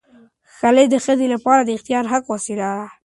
خلع د ښځې لپاره د اختیاري حق وسیله ده.